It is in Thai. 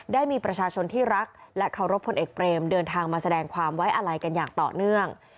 ได้มีประชาชนที่รักและเคารพพลเอกเบรมเดินทางมาแสดงความไว้อาลัยกันอย่างต่อเนื่อง